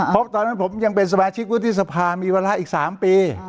เพราะตอนนั้นผมยังเป็นสมาชิกวุฒิสภามีเวลาอีก๓ปี